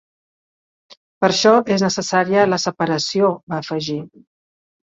"Per això és necessària la separació", va afegir.